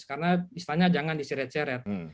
karena istana jangan diseret seret